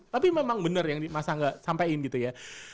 tapi memang benar yang mas angga sampaikan gitu ya